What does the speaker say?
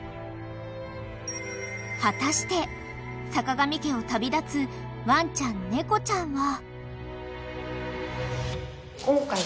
［果たして坂上家を旅立つワンちゃん猫ちゃんは？］